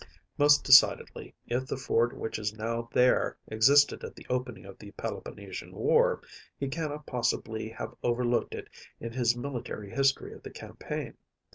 (91) Most decidedly, if the fort which is now there existed at the opening of the Peloponnesian War, he cannot possibly have overlooked it in his military history of the campaign.